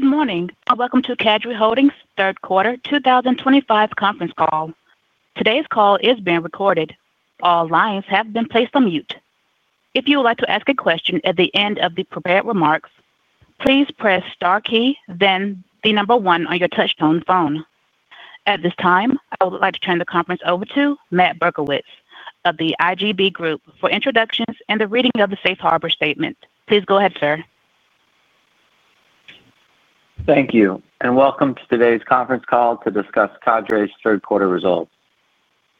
Good morning. Welcome to Cadre Holdings' third quarter 2025 conference call. Today's call is being recorded. All lines have been placed on mute. If you would like to ask a question at the end of the prepared remarks, please press the star key, then the number one on your touch-tone phone. At this time, I would like to turn the conference over to Matt Berkowitz of the IGB Group for introductions and the reading of the Safe Harbor Statement. Please go ahead, sir. Thank you. And welcome to today's conference call to discuss Cadre's third quarter results.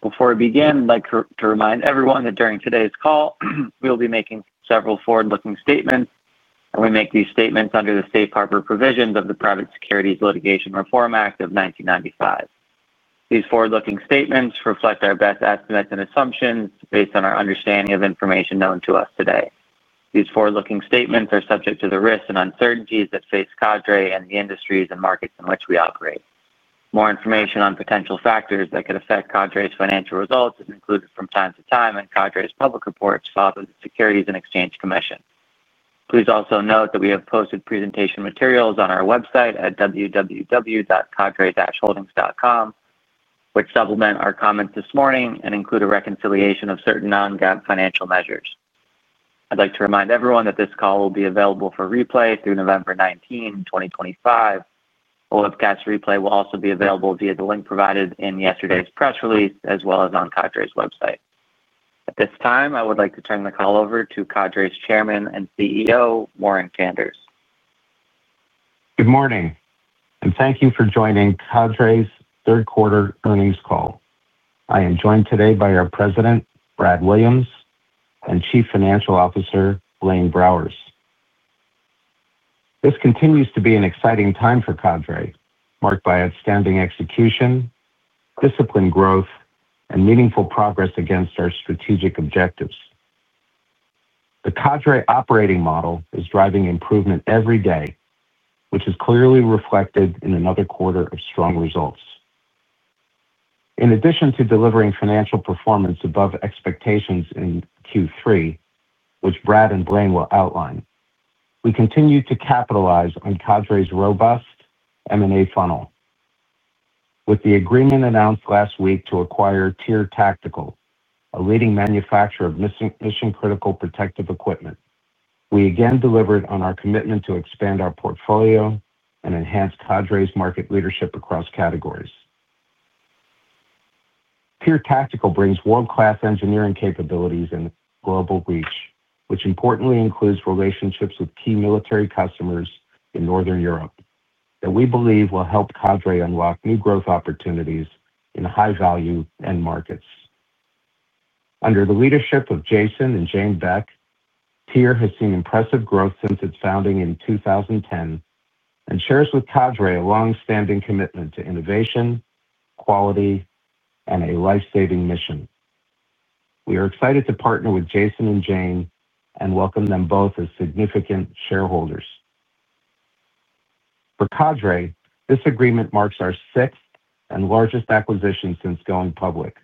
Before we begin, I'd like to remind everyone that during today's call we'll be making several forward-looking statements, and we make these statements under the Safe Harbor provisions of the Private Securities Litigation Reform Act of 1995. These forward-looking statements reflect our best estimates and assumptions based on our understanding of information known to us today. These forward-looking statements are subject to the risks and uncertainties that face Cadre and the industries and markets in which we operate. More information on potential factors that could affect Cadre's financial results is included from time to time in Cadre's public reports filed with the Securities and Exchange Commission. Please also note that we have posted presentation materials on our website at www. cadreholdings.com, which supplement our comments this morning and include a reconciliation of certain non-GAAP financial measures. I'd like to remind everyone that this call will be available for replay through November 19, 2025. The webcast replay will also be available via the link provided in yesterday's press release as well as on Cadre's website. At this time, I would like to turn the call over to Cadre's Chairman and CEO, Warren Kanders. Good morning. Thank you for joining Cadre's third quarter earnings call. I am joined today by our President, Brad Williams, and Chief Financial Officer, Blaine Browers. This continues to be an exciting time for Cadre, marked by outstanding execution, disciplined growth, and meaningful progress against our strategic objectives. The Cadre operating model is driving improvement every day, which is clearly reflected in another quarter of strong results. In addition to delivering financial performance above expectations in Q3, which Brad and Blaine will outline, we continue to capitalize on Cadre's robust M&A funnel. With the agreement announced last week to acquire TYR Tactical, a leading manufacturer of mission-critical protective equipment, we again delivered on our commitment to expand our portfolio and enhance Cadre's market leadership across categories. TYR Tactical brings world-class engineering capabilities and global reach, which importantly includes relationships with key military customers in Northern Europe that we believe will help Cadre unlock new growth opportunities in high-value end markets. Under the leadership of Jason and Jane Beck, TYR has seen impressive growth since its founding in 2010 and shares with Cadre a long-standing commitment to innovation, quality, and a lifesaving mission. We are excited to partner with Jason and Jane and welcome them both as significant shareholders. For Cadre, this agreement marks our sixth and largest acquisition since going public.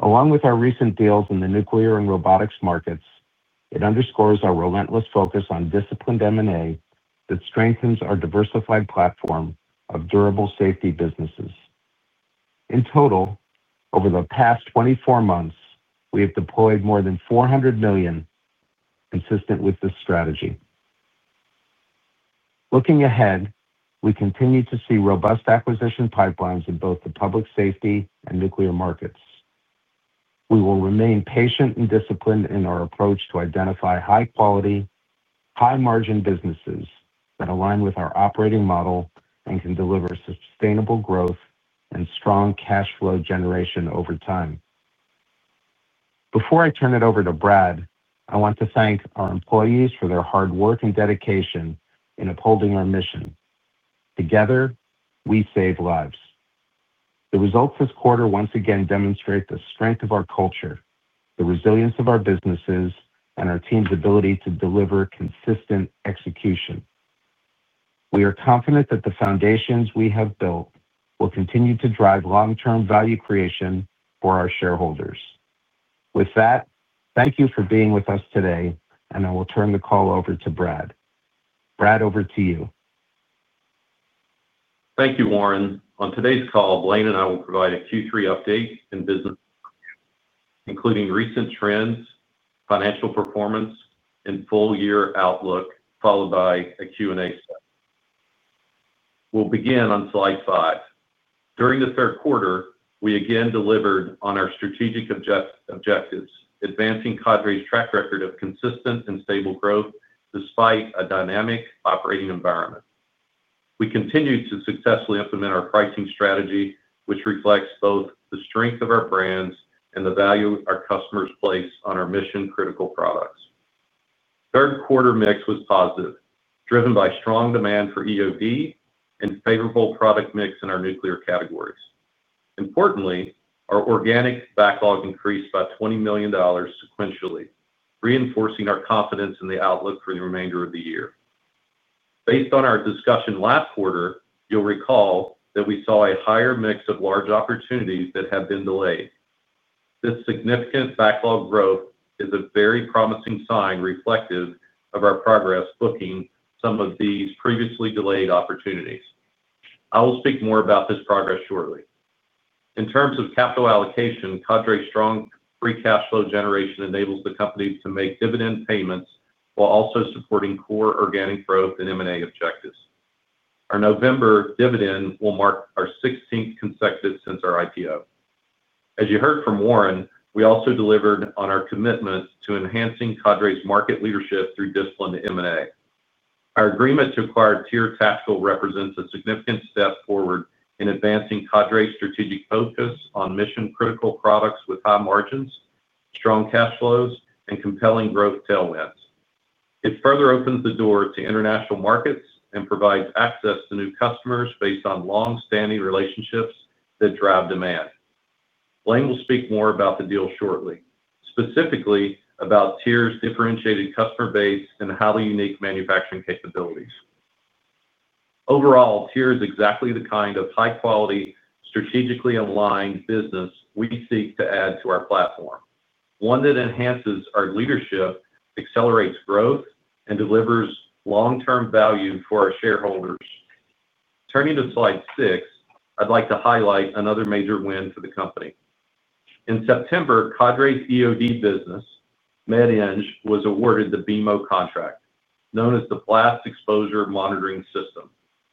Along with our recent deals in the nuclear and robotics markets, it underscores our relentless focus on disciplined M&A that strengthens our diversified platform of durable safety businesses. In total, over the past 24 months, we have deployed more than $400 million. Consistent with this strategy. Looking ahead, we continue to see robust acquisition pipelines in both the public safety and nuclear markets. We will remain patient and disciplined in our approach to identify high-quality, high-margin businesses that align with our operating model and can deliver sustainable growth and strong cash flow generation over time. Before I turn it over to Brad, I want to thank our employees for their hard work and dedication in upholding our mission. Together, we save lives. The results this quarter once again demonstrate the strength of our culture, the resilience of our businesses, and our team's ability to deliver consistent execution. We are confident that the foundations we have built will continue to drive long-term value creation for our shareholders. With that, thank you for being with us today, and I will turn the call over to Brad. Brad, over to you. Thank you, Warren. On today's call, Blaine and I will provide a Q3 update and business review, including recent trends, financial performance, and full-year outlook, followed by a Q&A session. We'll begin on slide five. During the third quarter, we again delivered on our strategic objectives, advancing Cadre's track record of consistent and stable growth despite a dynamic operating environment. We continue to successfully implement our pricing strategy, which reflects both the strength of our brands and the value our customers place on our mission-critical products. Third quarter mix was positive, driven by strong demand for EOD and favorable product mix in our nuclear categories. Importantly, our organic backlog increased by $20 million sequentially, reinforcing our confidence in the outlook for the remainder of the year. Based on our discussion last quarter, you'll recall that we saw a higher mix of large opportunities that had been delayed. This significant backlog growth is a very promising sign reflective of our progress booking some of these previously delayed opportunities. I will speak more about this progress shortly. In terms of capital allocation, Cadre's strong free cash flow generation enables the company to make dividend payments while also supporting core organic growth and M&A objectives. Our November dividend will mark our 16th consecutive since our IPO. As you heard from Warren, we also delivered on our commitment to enhancing Cadre's market leadership through disciplined M&A. Our agreement to acquire TYR Tactical represents a significant step forward in advancing Cadre's strategic focus on mission-critical products with high margins, strong cash flows, and compelling growth tailwinds. It further opens the door to international markets and provides access to new customers based on long-standing relationships that drive demand. Blaine will speak more about the deal shortly, specifically about TYR's differentiated customer base and highly unique manufacturing capabilities. Overall, TYR is exactly the kind of high-quality, strategically aligned business we seek to add to our platform, one that enhances our leadership, accelerates growth, and delivers long-term value for our shareholders. Turning to slide six, I'd like to highlight another major win for the company. In September, Cadre's EOD business, Med-Eng, was awarded the BEMO contract, known as the Blast Exposure Monitoring System,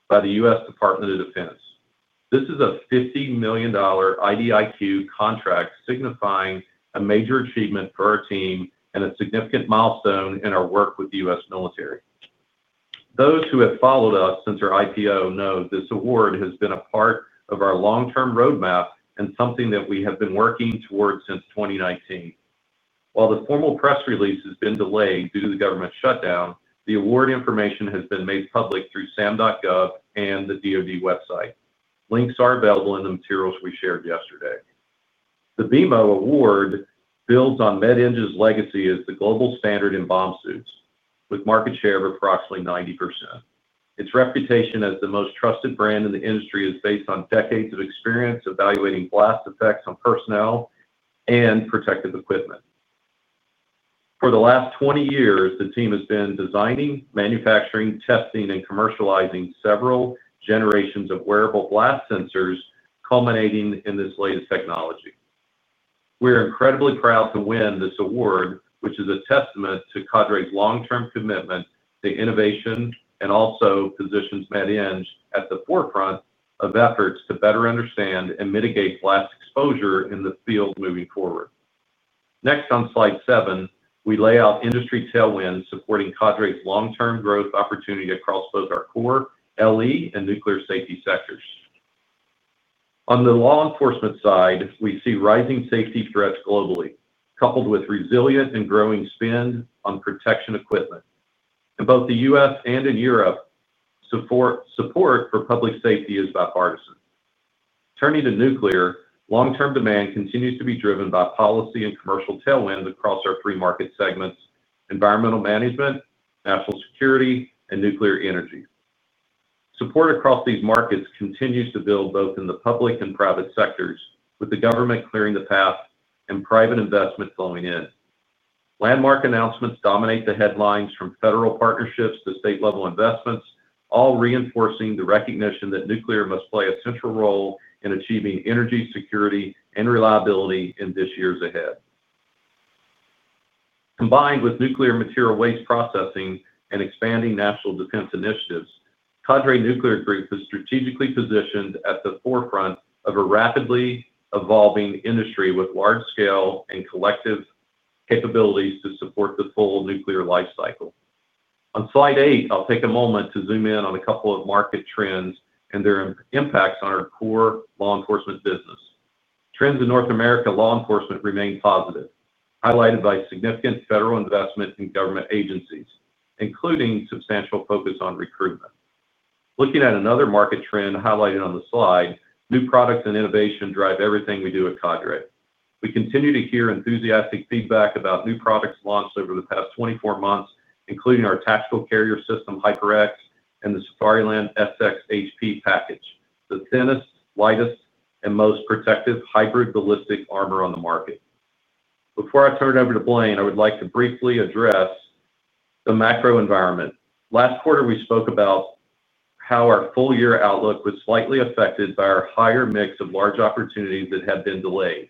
by the U.S. Department of Defense. This is a $50 million IDIQ contract signifying a major achievement for our team and a significant milestone in our work with the U.S. military. Those who have followed us since our IPO know this award has been a part of our long-term roadmap and something that we have been working towards since 2019. While the formal press release has been delayed due to the government shutdown, the award information has been made public through SAM.gov and the DoD website. Links are available in the materials we shared yesterday. The BEMO award builds on Med-Eng's legacy as the global standard in bomb suits, with market share of approximately 90%. Its reputation as the most trusted brand in the industry is based on decades of experience evaluating blast effects on personnel and protective equipment. For the last 20 years, the team has been designing, manufacturing, testing, and commercializing several generations of wearable blast sensors, culminating in this latest technology. We are incredibly proud to win this award, which is a testament to Cadre's long-term commitment to innovation and also positions Med-Eng at the forefront of efforts to better understand and mitigate blast exposure in the field moving forward. Next, on slide seven, we lay out industry tailwinds supporting Cadre's long-term growth opportunity across both our core, LE, and nuclear safety sectors. On the law enforcement side, we see rising safety threats globally, coupled with resilient and growing spend on protection equipment. In both the U.S. and in Europe, support for public safety is bipartisan. Turning to nuclear, long-term demand continues to be driven by policy and commercial tailwinds across our three market segments: environmental management, national security, and nuclear energy. Support across these markets continues to build both in the public and private sectors, with the government clearing the path and private investment flowing in. Landmark announcements dominate the headlines, from federal partnerships to state-level investments, all reinforcing the recognition that nuclear must play a central role in achieving energy security and reliability in the years ahead. Combined with nuclear material waste processing and expanding national defense initiatives, Cadre Nuclear Group is strategically positioned at the forefront of a rapidly evolving industry with large-scale and collective capabilities to support the full nuclear life cycle. On slide eight, I'll take a moment to zoom in on a couple of market trends and their impacts on our core law enforcement business. Trends in North America law enforcement remain positive, highlighted by significant federal investment in government agencies, including substantial focus on recruitment. Looking at another market trend highlighted on the slide, new products and innovation drive everything we do at Cadre. We continue to hear enthusiastic feedback about new products launched over the past 24 months, including our tactical carrier system HyperX and the Safariland SX HP package, the thinnest, lightest, and most protective hybrid ballistic armor on the market. Before I turn it over to Blaine, I would like to briefly address the macro environment. Last quarter, we spoke about how our full-year outlook was slightly affected by our higher mix of large opportunities that had been delayed.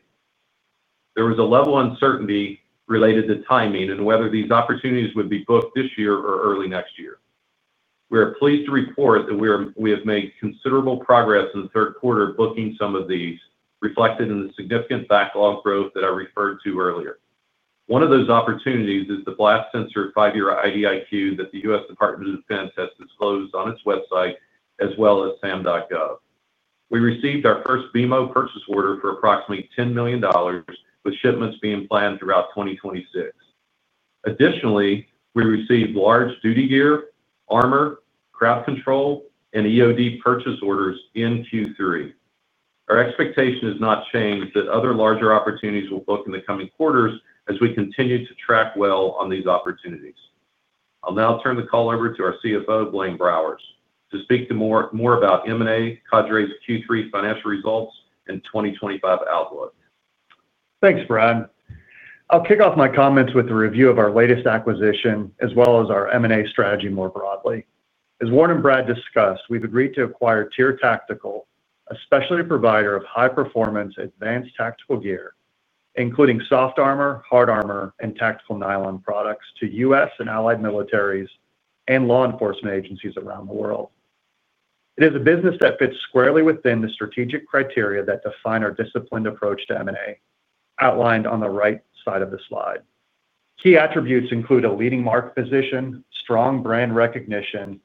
There was a level of uncertainty related to timing and whether these opportunities would be booked this year or early next year. We are pleased to report that we have made considerable progress in the third quarter booking some of these, reflected in the significant backlog growth that I referred to earlier. One of those opportunities is the blast sensor five-year IDIQ that the U.S. Department of Defense has disclosed on its website, as well as SAM.gov. We received our first BEMO purchase order for approximately $10 million, with shipments being planned throughout 2026. Additionally, we received large duty gear, armor, crowd control, and EOD purchase orders in Q3. Our expectation has not changed that other larger opportunities will book in the coming quarters as we continue to track well on these opportunities. I'll now turn the call over to our CFO, Blaine Browers, to speak more about M&A, Cadre's Q3 financial results, and 2025 outlook. Thanks, Brad. I'll kick off my comments with a review of our latest acquisition, as well as our M&A strategy more broadly. As Warren and Brad discussed, we've agreed to acquire TYR Tactical, a specialty provider of high-performance advanced tactical gear, including soft armor, hard armor, and tactical nylon products to U.S. and allied militaries and law enforcement agencies around the world. It is a business that fits squarely within the strategic criteria that define our disciplined approach to M&A, outlined on the right side of the slide. Key attributes include a leading market position, strong brand recognition,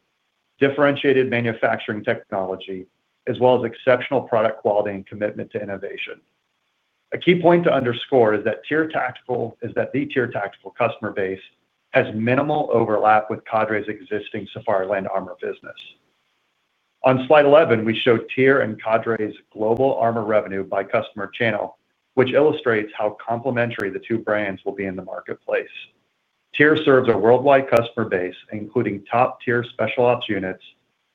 differentiated manufacturing technology, as well as exceptional product quality and commitment to innovation. A key point to underscore is that the TYR Tactical customer base has minimal overlap with Cadre's existing Safariland armor business. On slide 11, we showed TYR and Cadre's global armor revenue by customer channel, which illustrates how complementary the two brands will be in the marketplace. TYR serves a worldwide customer base, including top-tier special ops units,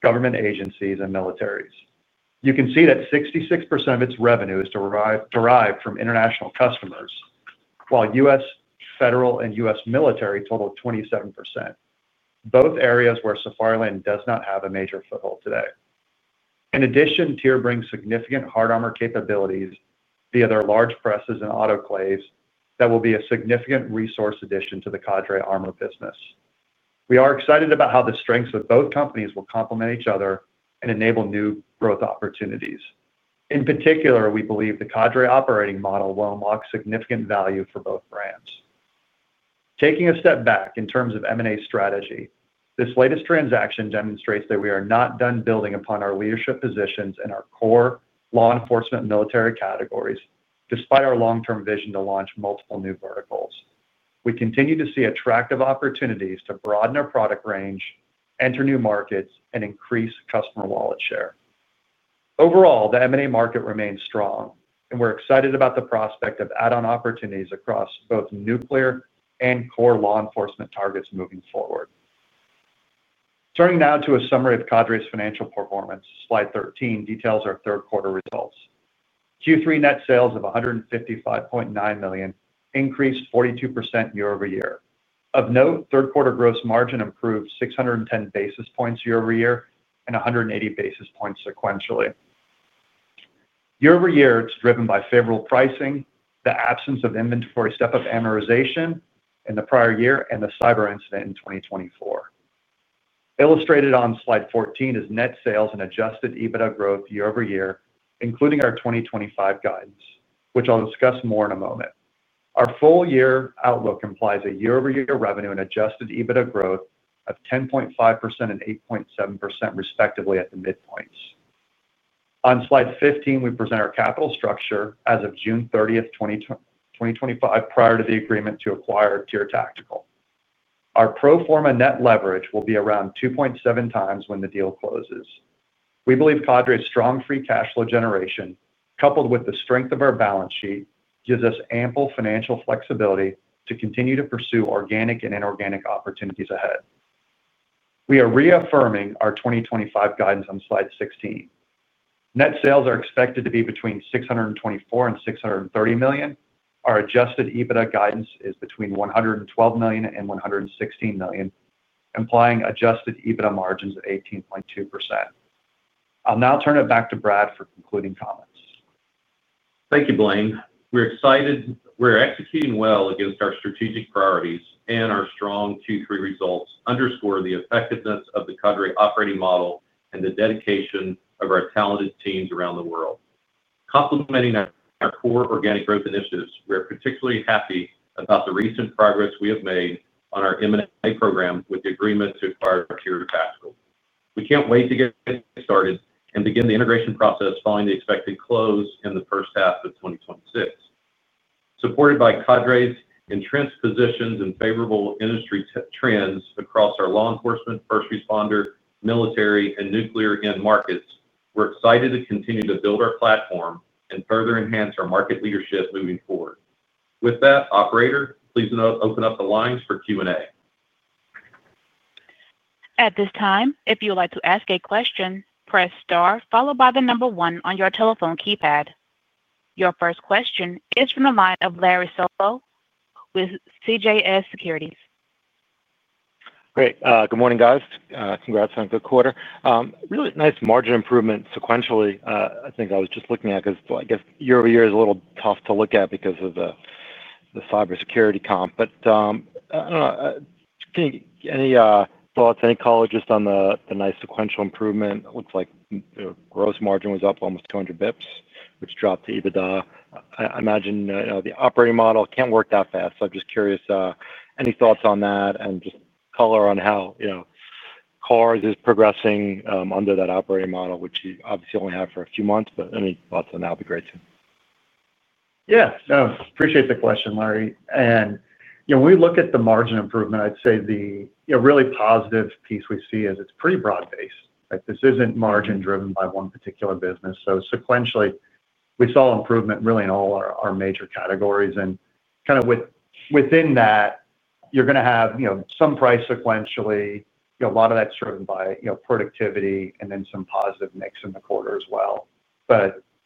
government agencies, and militaries. You can see that 66% of its revenue is derived from international customers, while U.S. Federal and U.S. Military total 27%. Both areas where Safariland does not have a major foothold today. In addition, TYR brings significant hard armor capabilities via their large presses and autoclaves that will be a significant resource addition to the Cadre armor business. We are excited about how the strengths of both companies will complement each other and enable new growth opportunities. In particular, we believe the Cadre operating model will unlock significant value for both brands. Taking a step back in terms of M&A strategy, this latest transaction demonstrates that we are not done building upon our leadership positions in our core law enforcement military categories, despite our long-term vision to launch multiple new verticals. We continue to see attractive opportunities to broaden our product range, enter new markets, and increase customer wallet share. Overall, the M&A market remains strong, and we're excited about the prospect of add-on opportunities across both nuclear and core law enforcement targets moving forward. Turning now to a summary of Cadre's financial performance, slide 13 details our third-quarter results. Q3 net sales of $155.9 million increased 42% year-over-year. Of note, third-quarter gross margin improved 610 basis points year-over-year and 180 basis points sequentially. Year-over-year, it's driven by favorable pricing, the absence of inventory step-up amortization in the prior year, and the cyber incident in 2024. Illustrated on slide 14 is net sales and adjusted EBITDA growth year-over-year, including our 2025 guidance, which I'll discuss more in a moment. Our full-year outlook implies a year-over-year revenue and adjusted EBITDA growth of 10.5% and 8.7%, respectively, at the midpoints. On slide 15, we present our capital structure as of June 30th, 2025, prior to the agreement to acquire TYR Tactical. Our pro forma net leverage will be around 2.7x when the deal closes. We believe Cadre's strong free cash flow generation, coupled with the strength of our balance sheet, gives us ample financial flexibility to continue to pursue organic and inorganic opportunities ahead. We are reaffirming our 2025 guidance on slide 16. Net sales are expected to be between $624 million and $630 million. Our adjusted EBITDA guidance is between $112 million and $116 million, implying adjusted EBITDA margins of 18.2%. I'll now turn it back to Brad for concluding comments. Thank you, Blaine. We're excited. We're executing well against our strategic priorities, and our strong Q3 results underscore the effectiveness of the Cadre operating model and the dedication of our talented teams around the world. Complementing our core organic growth initiatives, we are particularly happy about the recent progress we have made on our M&A program with the agreement to acquire TYR Tactical. We can't wait to get started and begin the integration process following the expected close in the first half of 2026. Supported by Cadre's entrenched positions and favorable industry trends across our law enforcement, first responder, military, and nuclear end markets, we're excited to continue to build our platform and further enhance our market leadership moving forward. With that, operator, please open up the lines for Q&A. At this time, if you would like to ask a question, press star followed by the number one on your telephone keypad. Your first question is from the line of Larry Solow with CJS Securities. Great. Good morning, guys. Congrats on a good quarter. Really nice margin improvement sequentially. I think I was just looking at it because I guess year-over-year is a little tough to look at because of the cybersecurity comp. But I do not know. Any thoughts, any color on the nice sequential improvement? It looks like gross margin was up almost 200 bps, which dropped to EBITDA. I imagine the operating model cannot work that fast, so I am just curious. Any thoughts on that and just color on how Carr's is progressing under that operating model, which you obviously only have for a few months, but any thoughts on that would be great too. Yeah. No, appreciate the question, Larry. When we look at the margin improvement, I'd say the really positive piece we see is it's pretty broad-based. This isn't margin-driven by one particular business. Sequentially, we saw improvement really in all our major categories. Kind of within that, you're going to have some price sequentially. A lot of that's driven by productivity and then some positive mix in the quarter as well.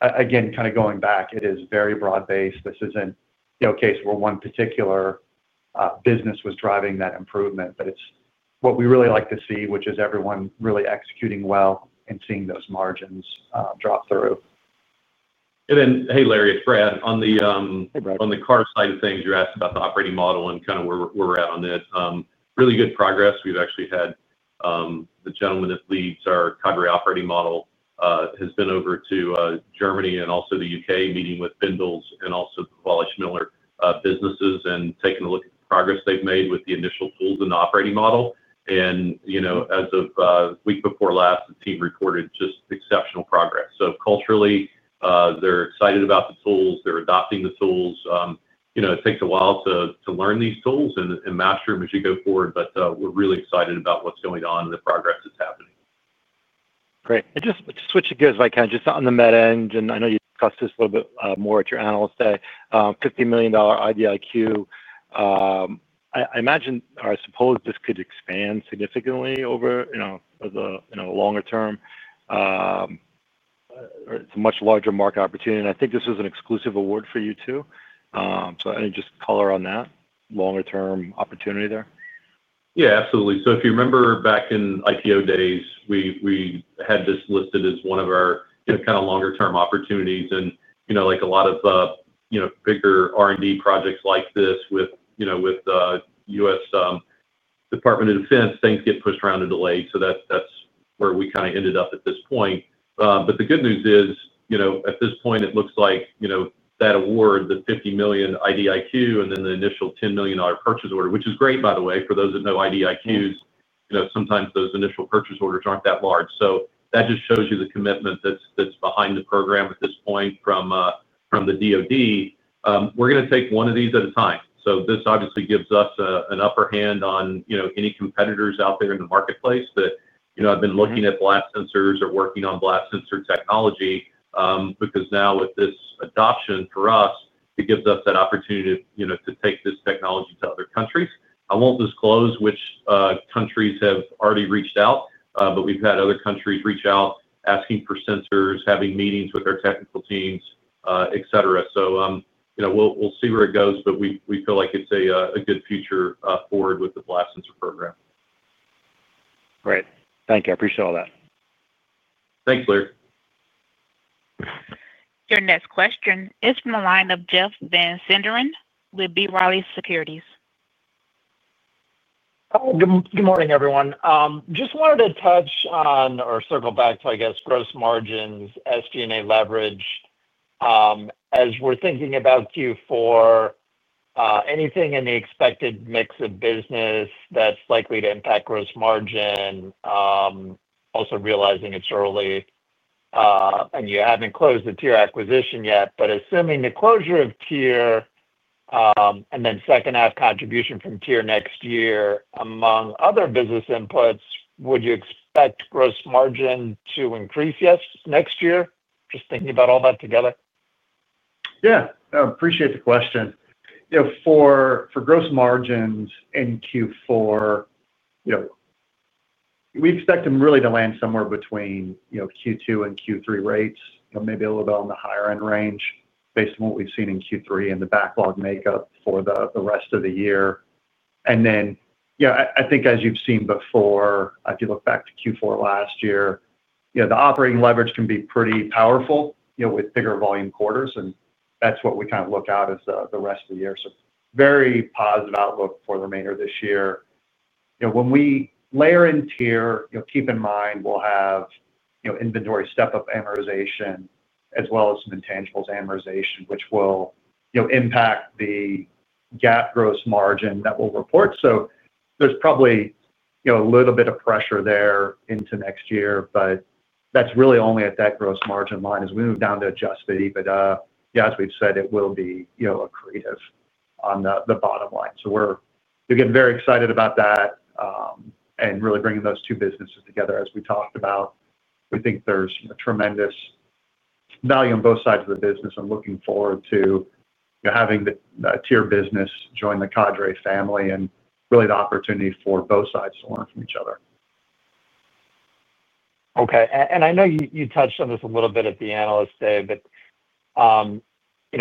Again, kind of going back, it is very broad-based. This isn't a case where one particular business was driving that improvement, but it's what we really like to see, which is everyone really executing well and seeing those margins drop through. Hey, Larry, it's Brad. On the Carr's side of things, you asked about the operating model and kind of where we're at on that. Really good progress. We've actually had the gentleman that leads our Cadre operating model over to Germany and also the U.K., meeting with Bendalls and also the Wälischmiller businesses and taking a look at the progress they've made with the initial tools in the operating model. As of the week before last, the team reported just exceptional progress. Culturally, they're excited about the tools. They're adopting the tools. It takes a while to learn these tools and master them as you go forward, but we're really excited about what's going on and the progress that's happening. Great. Just to switch gears, like, kind of just on the meta end, and I know you discussed this a little bit more at your analyst day, $50 million IDIQ. I imagine or I suppose this could expand significantly over the longer term. It is a much larger market opportunity. I think this was an exclusive award for you too. I think just color on that longer-term opportunity there. Yeah, absolutely. If you remember back in IPO days, we had this listed as one of our kind of longer-term opportunities. Like a lot of bigger R&D projects like this with the U.S. Department of Defense, things get pushed around and delayed. That is where we kind of ended up at this point. The good news is, at this point, it looks like that award, the $50 million IDIQ, and then the initial $10 million purchase order, which is great, by the way, for those that know IDIQs, sometimes those initial purchase orders are not that large. That just shows you the commitment that is behind the program at this point from the DOD. We are going to take one of these at a time. This obviously gives us an upper hand on any competitors out there in the marketplace that have been looking at blast sensors or working on blast sensor technology. Because now with this adoption for us, it gives us that opportunity to take this technology to other countries. I will not disclose which countries have already reached out, but we have had other countries reach out asking for sensors, having meetings with our technical teams, etc. We will see where it goes, but we feel like it is a good future forward with the blast sensor program. Great. Thank you. I appreciate all that. Thanks, Larry. Your next question is from the line of Jeff Van Sinderen with B. Riley Securities. Good morning, everyone. Just wanted to touch on or circle back to, I guess, gross margins, SG&A leverage. As we're thinking about Q4. Anything in the expected mix of business that's likely to impact gross margin, also realizing it's early. You haven't closed the TYR acquisition yet, but assuming the closure of TYR. Second-half contribution from TYR next year, among other business inputs, would you expect gross margin to increase next year? Just thinking about all that together. Yeah. I appreciate the question. For gross margins in Q4, we expect them really to land somewhere between Q2 and Q3 rates, maybe a little bit on the higher-end range based on what we've seen in Q3 and the backlog makeup for the rest of the year. I think, as you've seen before, if you look back to Q4 last year, the operating leverage can be pretty powerful with bigger volume quarters. That is what we kind of look out as the rest of the year. Very positive outlook for the remainder of this year. When we layer in TYR, keep in mind we'll have inventory step-up amortization as well as some intangibles amortization, which will impact the GAAP gross margin that we'll report. There is probably a little bit of pressure there into next year, but that is really only at that gross margin line as we move down to adjusted EBITDA. Yeah, as we have said, it will be accretive on the bottom line. We are getting very excited about that. Really bringing those two businesses together, as we talked about, we think there is tremendous value on both sides of the business and looking forward to having the TYR business join the Cadre family and really the opportunity for both sides to learn from each other. Okay. I know you touched on this a little bit at the analyst day, but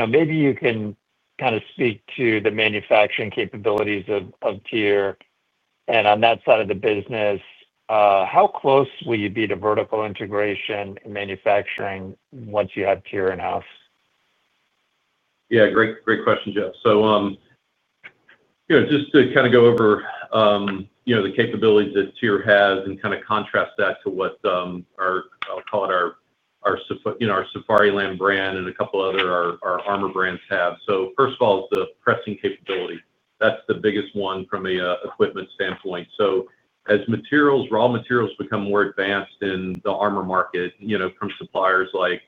maybe you can kind of speak to the manufacturing capabilities of TYR. On that side of the business, how close will you be to vertical integration and manufacturing once you have TYR in-house? Yeah. Great question, Jeff. Just to kind of go over the capabilities that TYR has and kind of contrast that to what I'll call our Safariland brand and a couple of other armor brands have. First of all, it's the pressing capability. That's the biggest one from an equipment standpoint. As raw materials become more advanced in the armor market from suppliers like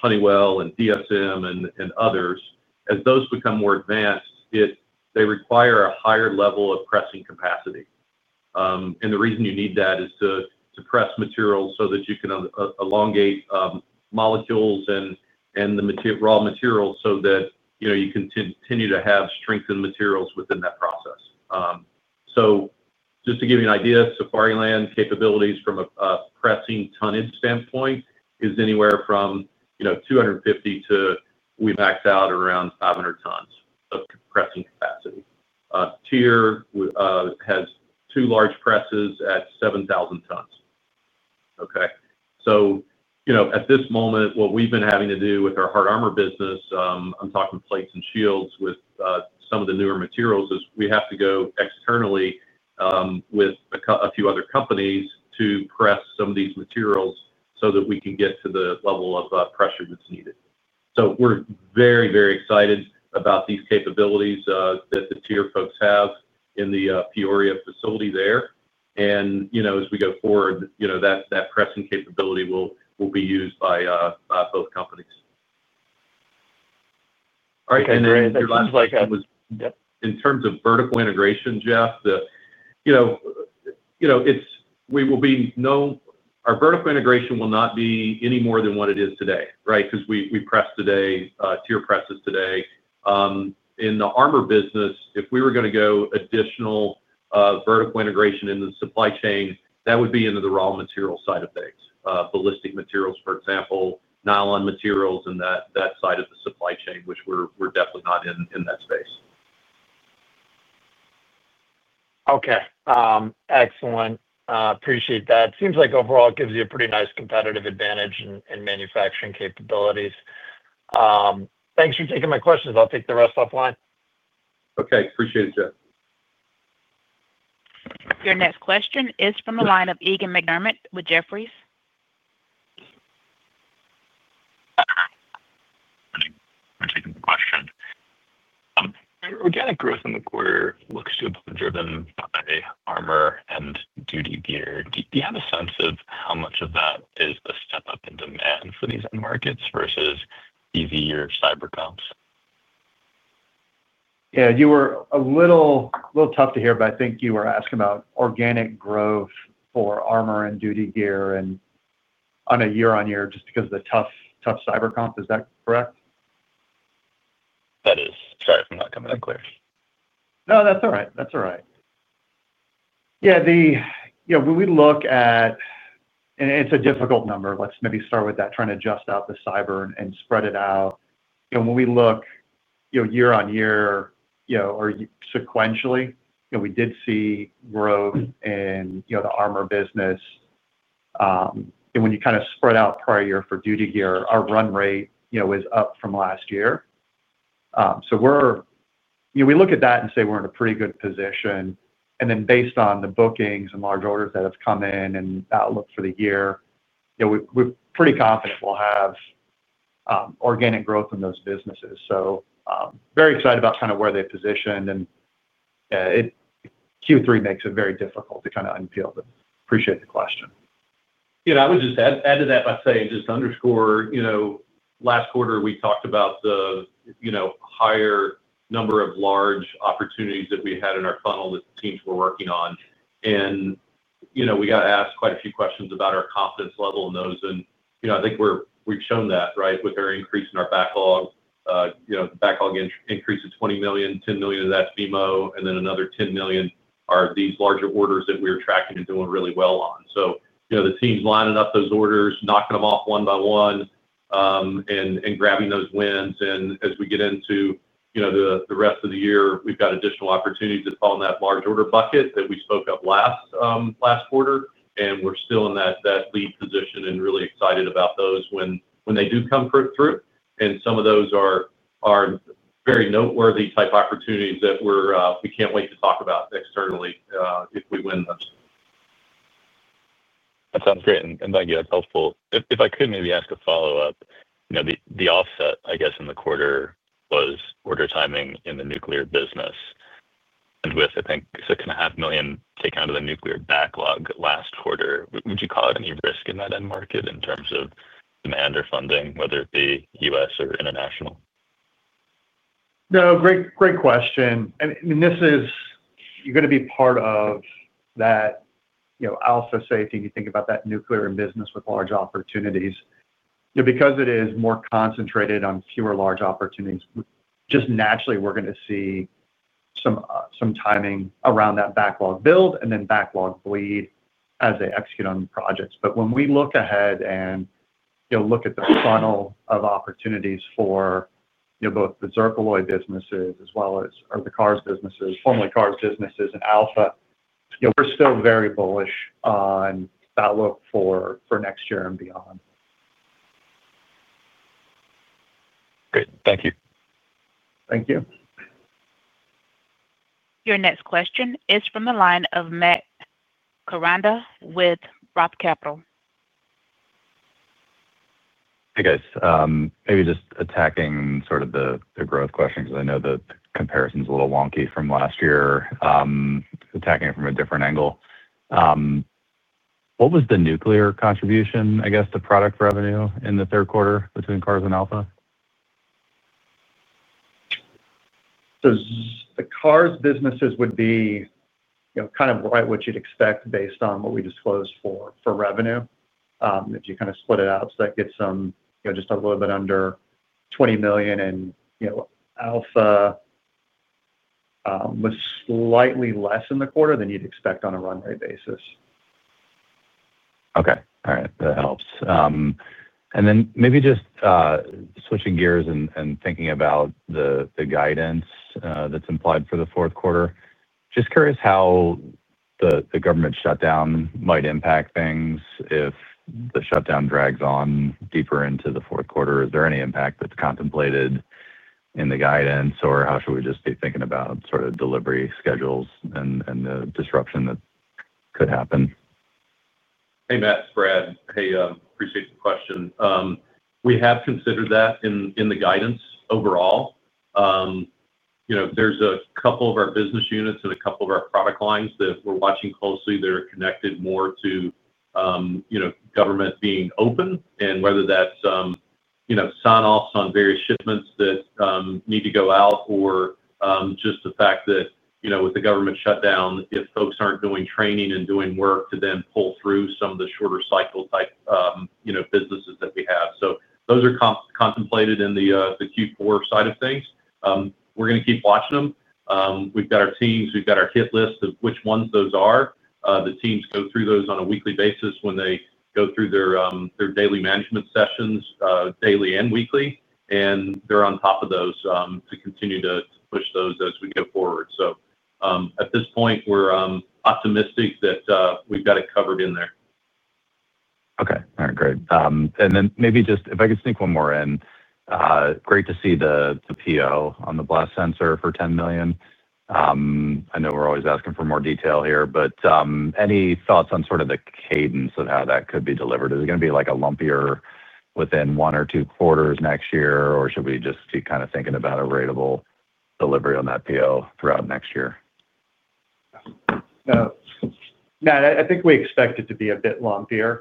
Honeywell and DSM and others, as those become more advanced, they require a higher level of pressing capacity. The reason you need that is to press materials so that you can elongate molecules in the raw materials so that you can continue to have strengthened materials within that process. Just to give you an idea, Safariland capabilities from a pressing tonnage standpoint is anywhere from 250 to we max out around 500 tons of pressing capacity. TYR. Has two large presses at 7,000 tons. Okay? At this moment, what we have been having to do with our hard armor business, I am talking plates and shields with some of the newer materials, is we have to go externally with a few other companies to press some of these materials so that we can get to the level of pressure that is needed. We are very, very excited about these capabilities that the TYR folks have in the Peoria facility there. As we go forward, that pressing capability will be used by both companies. All right. In terms of vertical integration, Jeff, our vertical integration will not be any more than what it is today, right? Because we press today, TYR presses today. In the armor business, if we were going to go additional. Vertical integration in the supply chain, that would be into the raw material side of things. Ballistic materials, for example, nylon materials and that side of the supply chain, which we're definitely not in that space. Okay. Excellent. Appreciate that. Seems like overall it gives you a pretty nice competitive advantage in manufacturing capabilities. Thanks for taking my questions. I'll take the rest offline. Okay. Appreciate it, Jeff. Your next question is from the line of Egan McDermott with Jefferies. I'm taking the question. Organic growth in the quarter looks to have been driven by armor and duty gear. Do you have a sense of how much of that is the step-up in demand for these end markets versus easier comps? Yeah. You were a little tough to hear, but I think you were asking about organic growth for armor and duty gear and. On a year-on-year just because of the tough cyber comp. Is that correct? That is. Sorry if I'm not coming in clear. No, that's all right. That's all right. Yeah. When we look at, and it's a difficult number, let's maybe start with that, trying to adjust out the cyber and spread it out. When we look year-on-year or sequentially, we did see growth in the armor business. And when you kind of spread out prior year for duty gear, our run rate was up from last year. We look at that and say we're in a pretty good position. Then based on the bookings and large orders that have come in and outlook for the year, we're pretty confident we'll have organic growth in those businesses. Very excited about kind of where they positioned. Q3 makes it very difficult to kind of unpeel them. Appreciate the question. Yeah. I would just add to that by saying just to underscore. Last quarter, we talked about the higher number of large opportunities that we had in our funnel that the teams were working on. We got asked quite a few questions about our confidence level in those. I think we've shown that, right, with our increase in our backlog. The backlog increased to $20 million, $10 million of that's BEMO, and then another $10 million are these larger orders that we were tracking and doing really well on. The team's lining up those orders, knocking them off one by one. Grabbing those wins. As we get into the rest of the year, we've got additional opportunities that fall in that large order bucket that we spoke of last quarter. We are still in that lead position and really excited about those when they do come through. Some of those are very noteworthy type opportunities that we cannot wait to talk about externally if we win those. That sounds great. Thank you. That's helpful. If I could maybe ask a follow-up. The offset, I guess, in the quarter was order timing in the nuclear business. With, I think, $6.5 million taken out of the nuclear backlog last quarter, would you call it any risk in that end market in terms of demand or funding, whether it be U.S. or international? No, great question. This is going to be part of that. I'll also say, if you think about that nuclear business with large opportunities, because it is more concentrated on fewer large opportunities, just naturally, we're going to see some timing around that backlog build and then backlog bleed as they execute on projects. When we look ahead and look at the funnel of opportunities for both the Zircaloy businesses as well as the Carr's businesses, formerly Carr's businesses and Alpha, we're still very bullish on that look for next year and beyond. Great. Thank you. Thank you. Your next question is from the line of Matt Koranda with ROTH Capital. Hey, guys. Maybe just attacking sort of the growth question because I know the comparison is a little wonky from last year. Attacking it from a different angle. What was the nuclear contribution, I guess, to product revenue in the third quarter between Carr's and Alpha? The Carr's businesses would be kind of right what you'd expect based on what we disclosed for revenue. If you kind of split it out, that gets them just a little bit under $20 million. Alpha was slightly less in the quarter than you'd expect on a runway basis. Okay. All right. That helps. Maybe just switching gears and thinking about the guidance that's implied for the fourth quarter, just curious how the government shutdown might impact things if the shutdown drags on deeper into the fourth quarter. Is there any impact that's contemplated in the guidance, or how should we just be thinking about sort of delivery schedules and the disruption that could happen? Hey, Matt, Brad, hey, appreciate the question. We have considered that in the guidance overall. There's a couple of our business units and a couple of our product lines that we're watching closely that are connected more to government being open and whether that's sign-offs on various shipments that need to go out or just the fact that with the government shutdown, if folks aren't doing training and doing work to then pull through some of the shorter cycle type businesses that we have. Those are contemplated in the Q4 side of things. We're going to keep watching them. We've got our teams. We've got our hit list of which ones those are. The teams go through those on a weekly basis when they go through their daily management sessions, daily and weekly. They're on top of those to continue to push those as we go forward. At this point, we're optimistic that we've got it covered in there. Okay. All right. Great. And then maybe just if I could sneak one more in. Great to see the PO on the blast sensor for $10 million. I know we're always asking for more detail here, but any thoughts on sort of the cadence of how that could be delivered? Is it going to be like a lumpier within one or two quarters next year, or should we just be kind of thinking about a ratable delivery on that PO throughout next year? Matt, I think we expect it to be a bit lumpier.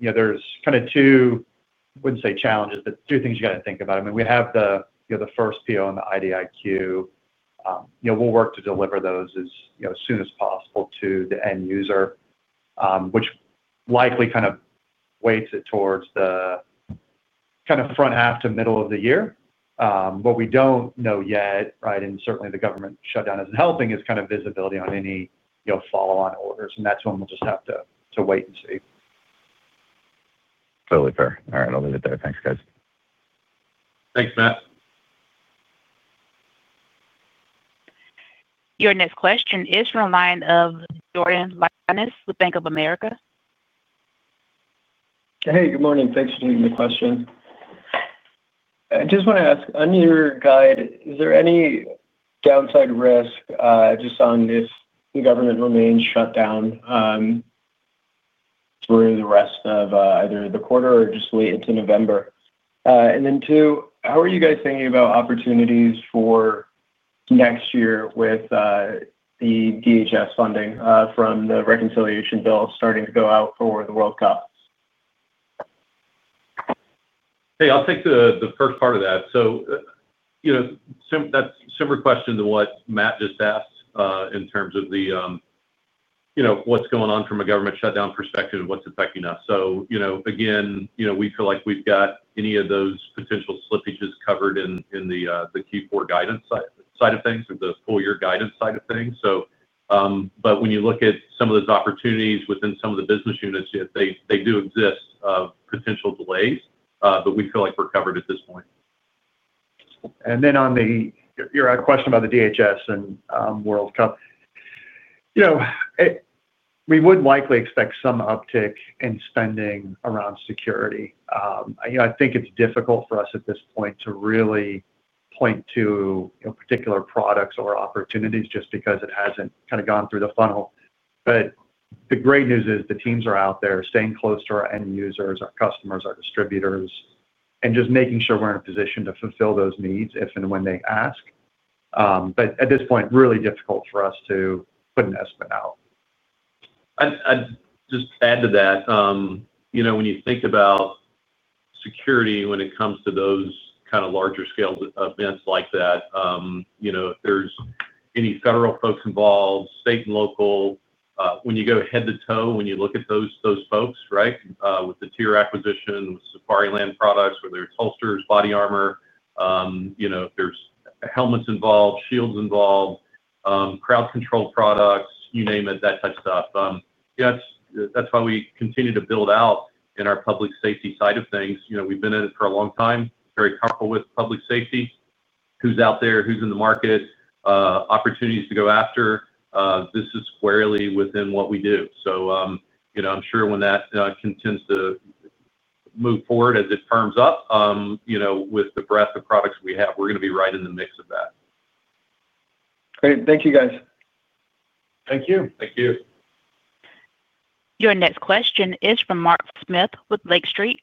There's kind of two, I wouldn't say challenges, but two things you got to think about. I mean, we have the first PO on the IDIQ. We'll work to deliver those as soon as possible to the end user, which likely kind of weights it towards the kind of front half to middle of the year. What we don't know yet, right, and certainly the government shutdown isn't helping, is kind of visibility on any follow-on orders. That's when we'll just have to wait and see. Totally fair. All right. I'll leave it there. Thanks, guys. Thanks, Matt. Your next question is from the line of Jordan Lyonnais with Bank of America. Hey, good morning. Thanks for taking the question. I just want to ask, on your guide, is there any downside risk just on if the government remains shut down through the rest of either the quarter or just late into November? Then two, how are you guys thinking about opportunities for next year with the DHS funding from the reconciliation bill starting to go out for the World Cup? Hey, I'll take the first part of that. That's a similar question to what Matt just asked in terms of the what's going on from a government shutdown perspective, what's affecting us. Again, we feel like we've got any of those potential slippages covered in the Q4 guidance side of things or the full-year guidance side of things. When you look at some of those opportunities within some of the business units, they do exist of potential delays, but we feel like we're covered at this point. On your question about the DHS and World Cup, we would likely expect some uptick in spending around security. I think it's difficult for us at this point to really point to particular products or opportunities just because it hasn't kind of gone through the funnel. The great news is the teams are out there, staying close to our end users, our customers, our distributors, and just making sure we're in a position to fulfill those needs if and when they ask. At this point, really difficult for us to put an estimate out. I'd just add to that. When you think about security when it comes to those kind of larger scale events like that, if there's any federal folks involved, state and local, when you go head to toe, when you look at those folks, right, with the TYR acquisition, with Safariland products, whether it's holsters, body armor, if there's helmets involved, shields involved, crowd control products, you name it, that type of stuff. That's why we continue to build out in our public safety side of things. We've been in it for a long time, very comfortable with public safety, who's out there, who's in the market, opportunities to go after. This is squarely within what we do. I'm sure when that continues to move forward as it firms up, with the breadth of products we have, we're going to be right in the mix of that. Great. Thank you, guys. Thank you. Thank you. Your next question is from Mark Smith with Lake Street.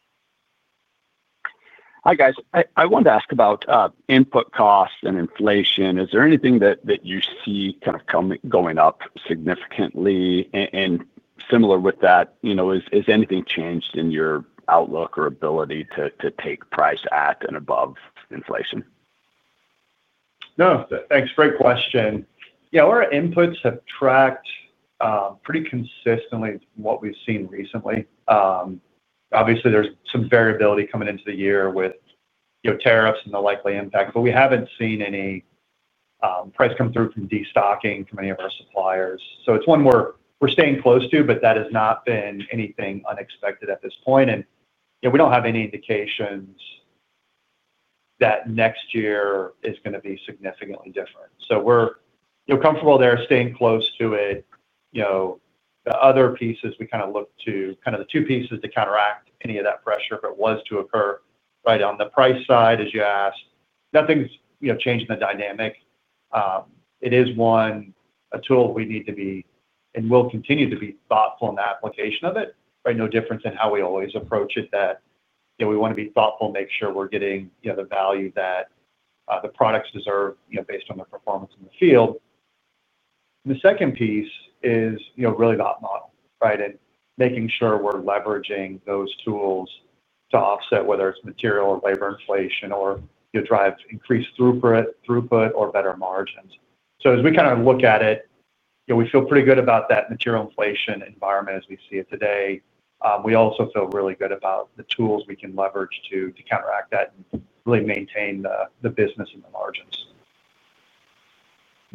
Hi, guys. I wanted to ask about input costs and inflation. Is there anything that you see kind of going up significantly? And similar with that, has anything changed in your outlook or ability to take price at and above inflation? No. Thanks. Great question. Yeah. Our inputs have tracked pretty consistently what we've seen recently. Obviously, there's some variability coming into the year with tariffs and the likely impact, but we haven't seen any price come through from destocking from any of our suppliers. It is one we're staying close to, but that has not been anything unexpected at this point. We don't have any indications that next year is going to be significantly different. We're comfortable there, staying close to it. The other pieces, we kind of look to kind of the two pieces to counteract any of that pressure if it was to occur. Right. On the price side, as you asked, nothing's changed in the dynamic. It is one, a tool we need to be and will continue to be thoughtful in the application of it, right? No different than how we always approach it, that we want to be thoughtful, make sure we're getting the value that the products deserve based on their performance in the field. The second piece is really the opt model, right, and making sure we're leveraging those tools to offset, whether it's material or labor inflation, or drive increased throughput or better margins. As we kind of look at it, we feel pretty good about that material inflation environment as we see it today. We also feel really good about the tools we can leverage to counteract that and really maintain the business and the margins.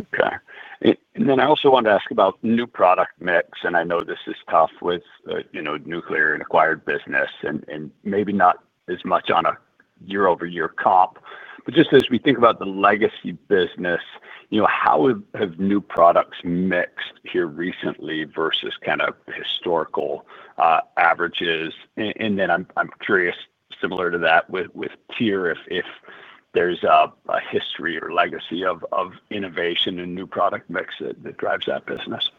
Okay. I also wanted to ask about new product mix. I know this is tough with nuclear and acquired business and maybe not as much on a year-over-year comp. Just as we think about the legacy business, how have new products mixed here recently versus kind of historical averages? I am curious, similar to that with TYR, if there is a history or legacy of innovation and new product mix that drives that business.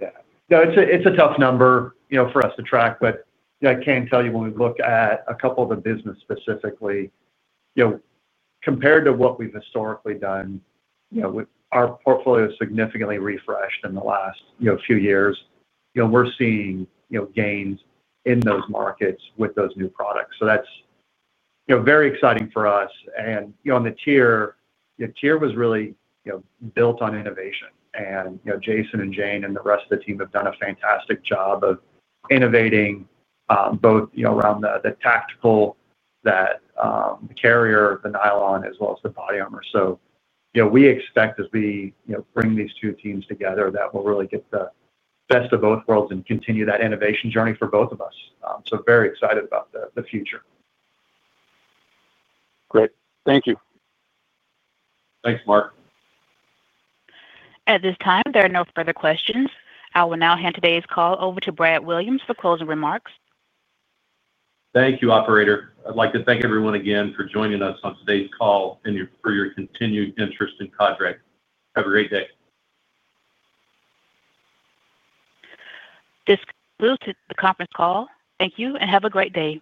Yeah. No, it's a tough number for us to track, but I can tell you when we look at a couple of the business specifically, compared to what we've historically done. Our portfolio is significantly refreshed in the last few years. We're seeing gains in those markets with those new products. That is very exciting for us. On the TYR, TYR was really built on innovation. Jason and Jane and the rest of the team have done a fantastic job of innovating both around the tactical carrier, the nylon, as well as the body armor. We expect as we bring these two teams together that we'll really get the best of both worlds and continue that innovation journey for both of us. Very excited about the future. Great. Thank you. Thanks, Mark. At this time, there are no further questions. I will now hand today's call over to Brad Williams for closing remarks. Thank you, operator. I'd like to thank everyone again for joining us on today's call and for your continued interest in Cadre. Have a great day. This concludes the conference call. Thank you and have a great day.